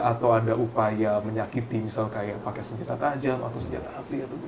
atau ada upaya menyakiti misalnya pakai senjata tajam atau senjata api